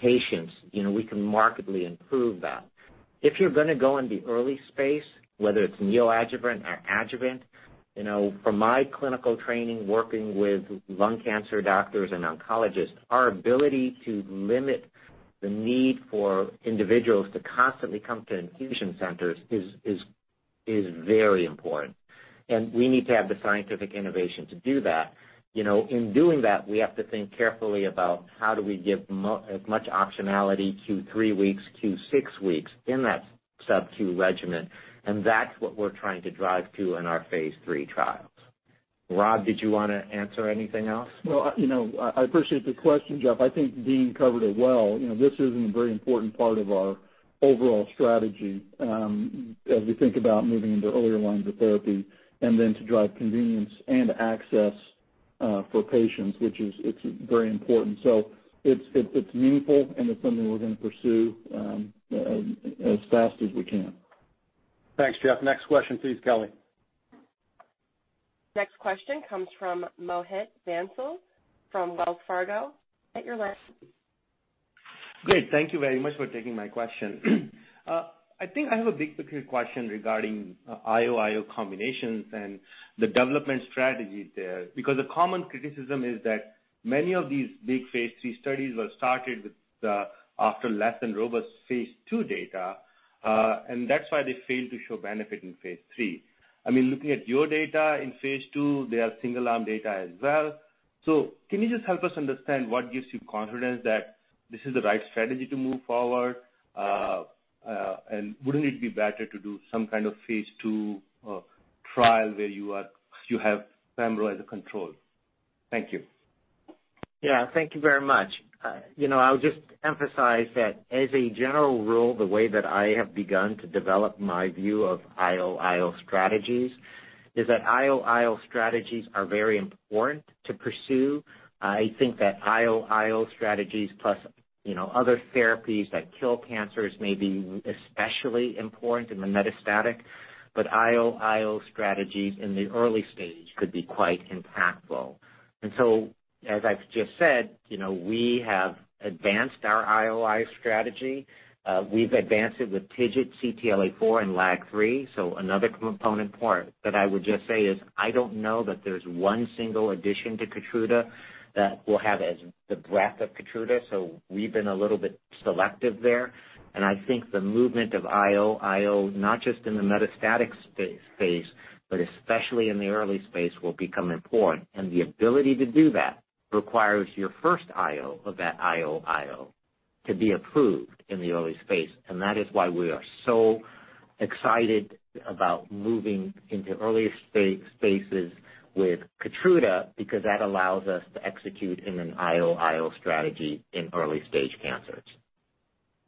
patients. You know, we can markedly improve that. If you're gonna go in the early space, whether it's neoadjuvant or adjuvant, you know, from my clinical training working with lung cancer doctors and oncologists, our ability to limit the need for individuals to constantly come to infusion centers is very important. We need to have the scientific innovation to do that. You know, in doing that, we have to think carefully about how do we give as much optionality, Q3 weeks, Q6 weeks in that subQ regimen, and that's what we're trying to drive to in our Phase III trials. Rob, did you wanna answer anything else? Well, you know, I appreciate the question, Geoff. I think Dean covered it well. You know, this is a very important part of our overall strategy, as we think about moving into earlier lines of therapy and then to drive convenience and access for patients, which is, it's very important. It's meaningful, and it's something we're gonna pursue, as fast as we can. Thanks, Geoff. Next question, please, Kelly. Next question comes from Mohit Bansal from Wells Fargo. Great. Thank you very much for taking my question. I think I have a big picture question regarding IO-IO combinations and the development strategy there. A common criticism is that many of these big Phase III studies were started with after less than robust Phase 2 data, and that's why they failed to show benefit in Phase III. I mean, looking at your data in Phase 2, they are single-arm data as well. Can you just help us understand what gives you confidence that this is the right strategy to move forward? Wouldn't it be better to do some kind of Phase 2 trial where you have pembrolizumab as a control? Thank you. Thank you very much. You know, I'll just emphasize that as a general rule, the way that I have begun to develop my view of IOIO strategies is that IOIO strategies are very important to pursue. I think that IOIO strategies plus, you know, other therapies that kill cancers may be especially important in the metastatic, but IOIO strategies in the early stage could be quite impactful. As I've just said, you know, we have advanced our IOI strategy. We've advanced it with TIGIT, CTLA-4, and LAG-3. Another component part that I would just say is, I don't know that there's one single addition to KEYTRUDA that will have as the breadth of KEYTRUDA. We've been a little bit selective there, and I think the movement of IOIO, not just in the metastatic space, but especially in the early space, will become important. The ability to do that requires your first IO of that IO to be approved in the early space. That is why we are so excited about moving into early spaces with KEYTRUDA, because that allows us to execute in an IO strategy in early-stage cancers.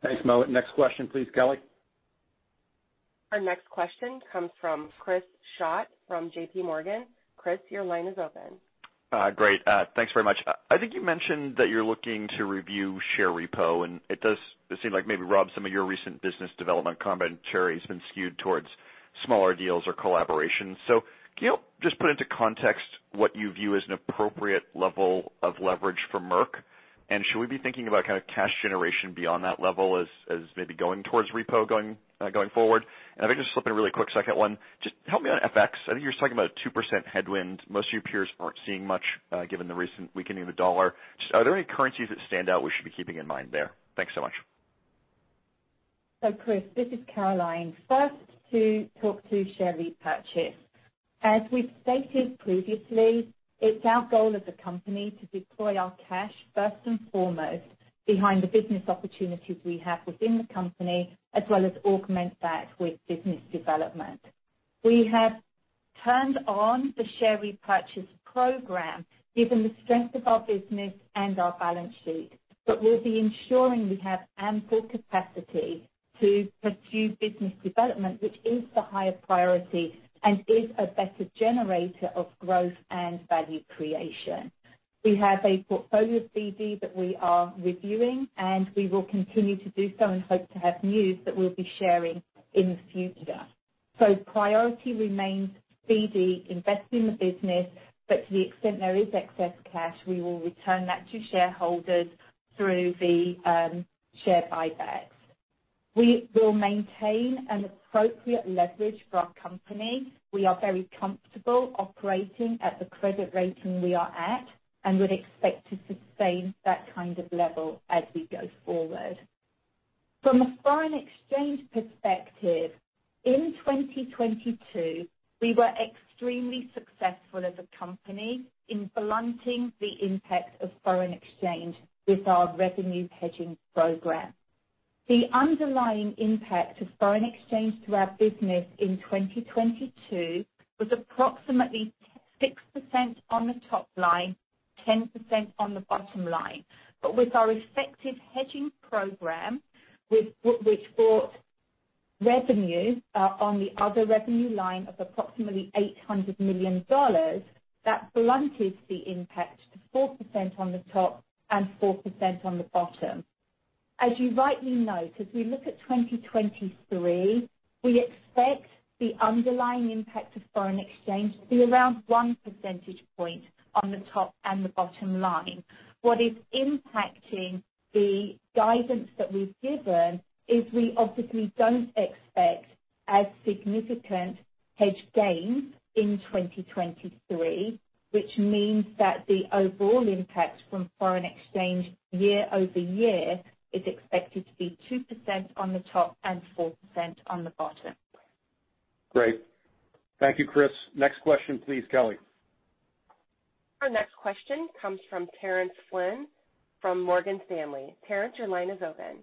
Thanks, Mohit. Next question, please, Kelly. Our next question comes from Chris Schott from J.P. Morgan. Chris, your line is open. Great. Thanks very much. I think you mentioned that you're looking to review share repo, it seem like maybe, Rob, some of your recent business development commentary has been skewed towards smaller deals or collaborations. Can you just put into context what you view as an appropriate level of leverage for Merck? Should we be thinking about kind of cash generation beyond that level as maybe going towards repo going forward? If I can just slip in a really quick second one. Help me on FX. I think you're talking about a 2% headwind. Most of your peers aren't seeing much given the recent weakening of the dollar. Are there any currencies that stand out we should be keeping in mind there? Thanks so much. Chris, this is Caroline. First, to talk to share repurchase. As we've stated previously, it's our goal as a company to deploy our cash first and foremost behind the business opportunities we have within the company, as well as augment that with business development. We have turned on the share repurchase program given the strength of our business and our balance sheet, but we'll be ensuring we have ample capacity to pursue business development, which is the higher priority and is a better generator of growth and value creation. We have a portfolio of BD that we are reviewing, and we will continue to do so and hope to have news that we'll be sharing in the future. Priority remains BD, invest in the business, but to the extent there is excess cash, we will return that to shareholders through the share buybacks. We will maintain an appropriate leverage for our company. We are very comfortable operating at the credit rating we are at and would expect to sustain that kind of level as we go forward. From a foreign exchange perspective, in 2022, we were extremely successful as a company in blunting the impact of foreign exchange with our revenue hedging program. The underlying impact of foreign exchange to our business in 2022 was approximately 6% on the top-line, 10% on the bottom line. With our effective hedging program, which brought revenue on the other revenue line of approximately $800 million, that blunted the impact to 4% on the top and 4% on the bottom. As you rightly note, as we look at 2023, we expect the underlying impact of foreign exchange to be around 1 percentage point on the top and the bottom line. What is impacting the guidance that we've given is we obviously don't expect as significant hedge gains in 2023, which means that the overall impact from foreign exchange year-over-year is expected to be 2% on the top and 4% on the bottom. Great. Thank you, Chris. Next question please, Kelly. Our next question comes from Terence Flynn from Morgan Stanley. Terence, your line is open.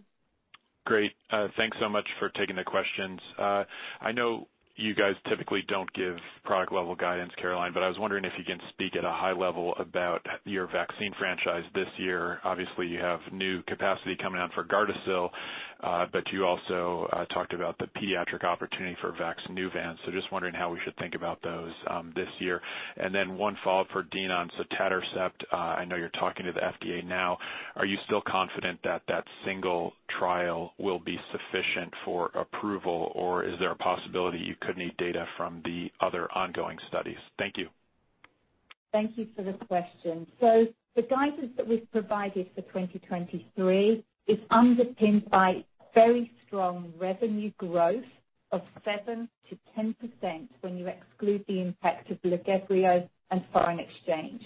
Great. thanks so much for taking the questions. I know you guys typically don't give product level guidance, Caroline, but I was wondering if you can speak at a high level about your vaccine franchise this year. Obviously, you have new capacity coming out for GARDASIL, but you also talked about the pediatric opportunity for Vaxneuvance. Just wondering how we should think about those this year. One follow-up for Dean on sotatercept. I know you're talking to the FDA now. Are you still confident that that single trial will be sufficient for approval, or is there a possibility you could need data from the other ongoing studies? Thank you. Thank you for the question. The guidance that we've provided for 2023 is underpinned by very strong revenue growth of 7%-10% when you exclude the impact of Lagevrio and foreign exchange.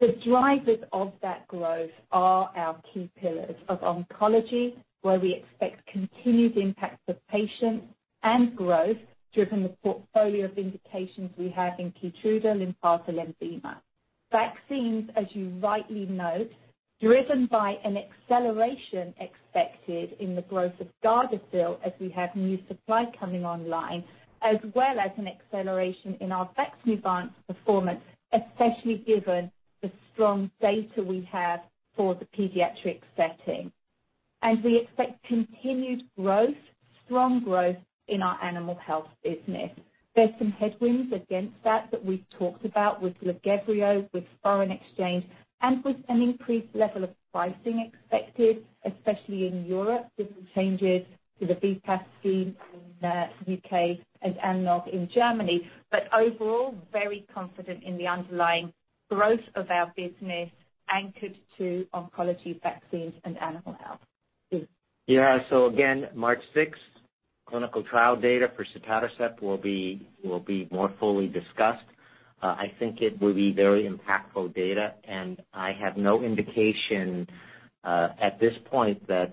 The drivers of that growth are our key pillars of oncology, where we expect continued impacts of patients and growth, driven the portfolio of indications we have in KEYTRUDA, Lymphoma and Lenvima. Vaccines, as you rightly note, driven by an acceleration expected in the growth of GARDASIL as we have new supply coming online, as well as an acceleration in our Vaxneuvance performance, especially given the strong data we have for the pediatric setting. We expect continued growth, strong growth in our animal health business. There's some headwinds against that that we've talked about with Lagevrio, with foreign exchange, and with an increased level of pricing expected, especially in Europe, different changes to the VPAS scheme in the UK and analog in Germany. Overall, very confident in the underlying growth of our business anchored to oncology, vaccines and animal health. Yeah. Again, March sixth, clinical trial data for sotatercept will be more fully discussed. I think it will be very impactful data, and I have no indication at this point that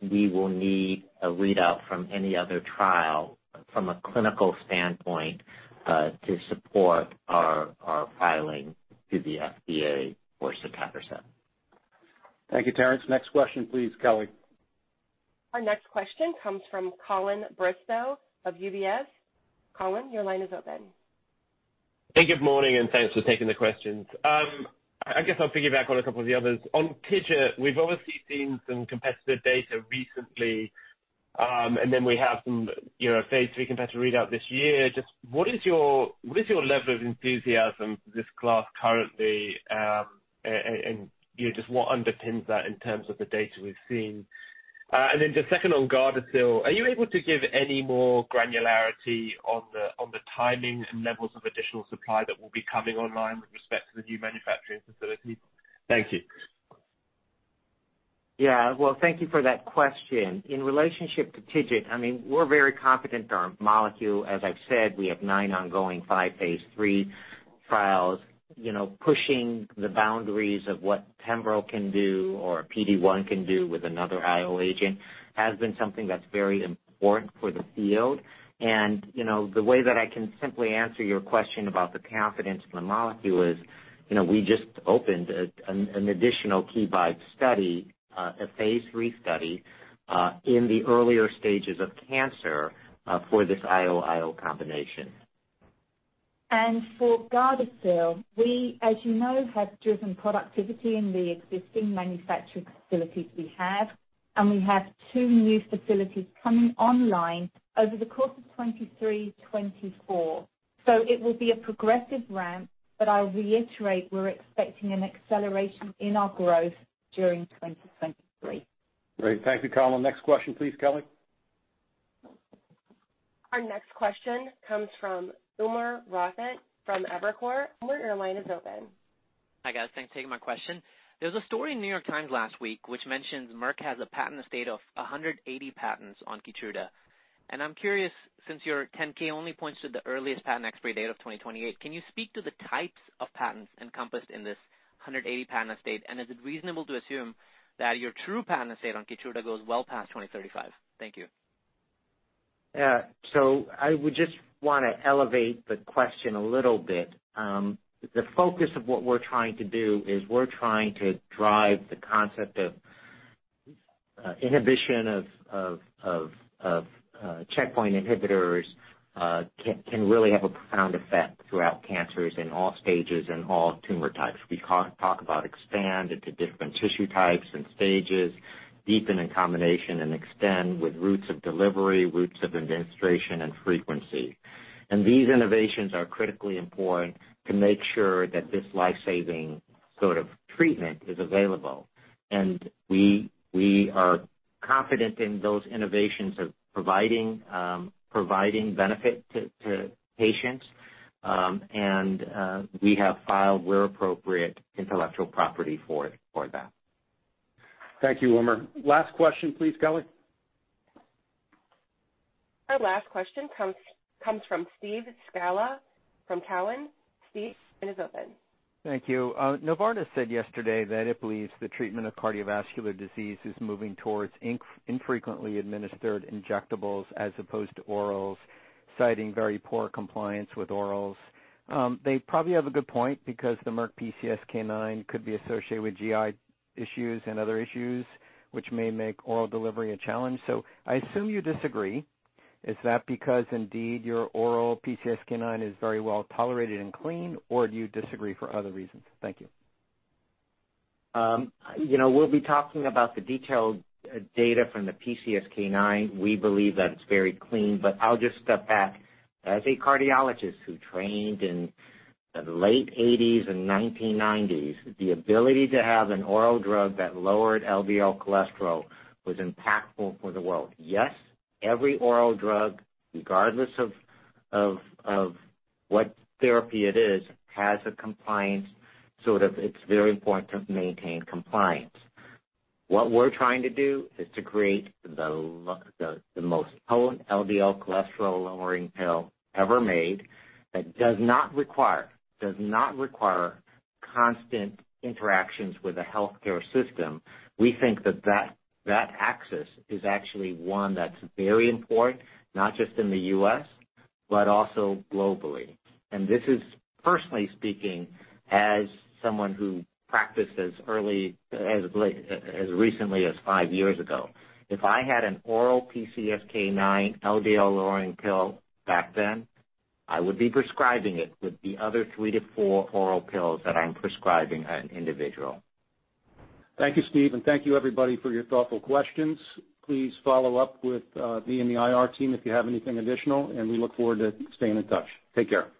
we will need a readout from any other trial. From a clinical standpoint, to support our filing to the FDA for gefapixant. Thank you, Terence. Next question please, Kelly. Our next question comes from Colin Bristow of UBS. Colin, your line is open. Hey, good morning, thanks for taking the questions. I guess I'll piggyback on a couple of the others. On TIGIT, we've obviously seen some competitive data recently, we have some, you know, Phase III competitive readout this year. Just what is your level of enthusiasm for this class currently? You know, just what underpins that in terms of the data we've seen? Just second on GARDASIL, are you able to give any more granularity on the, on the timing and levels of additional supply that will be coming online with respect to the new manufacturing facility? Thank you. Yeah. Well, thank you for that question. In relationship to TIGIT, I mean, we're very confident in our molecule. As I've said, we have 9 ongoing 5 Phase III trials, you know, pushing the boundaries of what Pembro can do or PD-1 can do with another IO agent has been something that's very important for the field. You know, the way that I can simply answer your question about the confidence in the molecule is, you know, we just opened an additional KeyVibe study, a Phase III study, in the earlier stages of cancer, for this IO/IO combination. For GARDASIL, we, as you know, have driven productivity in the existing manufacturing facilities we have, and we have two new facilities coming online over the course of 2023/2024. It will be a progressive ramp, but I'll reiterate we're expecting an acceleration in our growth during 2023. Great. Thank you, Colin. Next question please, Kelly. Our next question comes from Umer Raffat from Evercore. Umer, your line is open. Hi guys. Thanks for taking my question. There was a story in The New York Times last week which mentions Merck has a patent estate of 180 patents on KEYTRUDA. I'm curious, since your 10-K only points to the earliest patent expiry date of 2028, can you speak to the types of patents encompassed in this 180 patent estate? Is it reasonable to assume that your true patent estate on KEYTRUDA goes well past 2035? Thank you. I would just wanna elevate the question a little bit. The focus of what we're trying to do is we're trying to drive the concept of inhibition of checkpoint inhibitors can really have a profound effect throughout cancers in all stages and all tumor types. We talk about expand into different tissue types and stages, deepen in combination, and extend with routes of delivery, routes of administration, and frequency. These innovations are critically important to make sure that this life-saving sort of treatment is available. We are confident in those innovations of providing benefit to patients. We have filed where appropriate intellectual property for that. Thank you, Umer. Last question please, Kelly. Our last question comes from Steve Scala from Cowen. Steve, line is open. Thank you. Novartis said yesterday that it believes the treatment of cardiovascular disease is moving towards infrequently administered injectables as opposed to orals, citing very poor compliance with orals. They probably have a good point because the Merck PCSK9 could be associated with GI issues and other issues which may make oral delivery a challenge. I assume you disagree. Is that because indeed your oral PCSK9 is very well tolerated and clean, or do you disagree for other reasons? Thank you. You know, we'll be talking about the detailed data from the PCSK9. We believe that it's very clean, but I'll just step back. As a cardiologist who trained in the late 80s and 1990s, the ability to have an oral drug that lowered LDL cholesterol was impactful for the world. Yes, every oral drug, regardless of, of what therapy it is, has a compliance, so that it's very important to maintain compliance. What we're trying to do is to create the most potent LDL cholesterol-lowering pill ever made that does not require, does not require constant interactions with the healthcare system. We think that, that axis is actually one that's very important, not just in the U.S., but also globally. This is personally speaking as someone who practiced as recently as 5 years ago. If I had an oral PCSK9 LDL lowering pill back then, I would be prescribing it with the other three to four oral pills that I'm prescribing an individual. Thank you, Steve. Thank you everybody for your thoughtful questions. Please follow up with me and the IR team if you have anything additional, and we look forward to staying in touch. Take care.